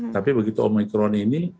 tapi begitu omikron ini